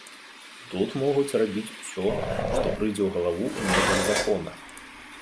Тут могуць рабіць усё, што прыйдзе ў галаву ў межах закона.